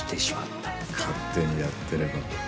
勝手にやってれば。